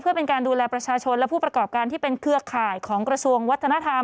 เพื่อเป็นการดูแลประชาชนและผู้ประกอบการที่เป็นเครือข่ายของกระทรวงวัฒนธรรม